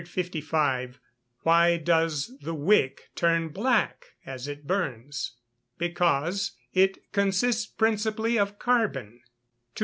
Why does the wick turn black as it burns? Because it consists principally of carbon. 256.